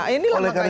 ini lah makanya